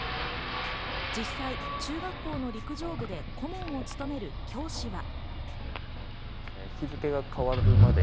実際、中学校の陸上部で顧問を務める教師は。